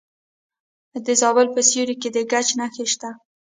د زابل په سیوري کې د ګچ نښې شته.